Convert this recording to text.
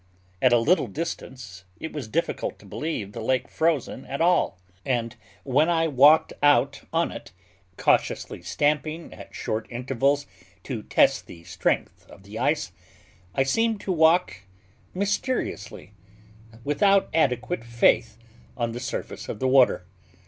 At a little distance, it was difficult to believe the lake frozen at all; and when I walked out on it, cautiously stamping at short intervals to test the strength of the ice, I seemed to walk mysteriously, without adequate faith, on the surface of the water.